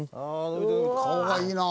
顔がいいな。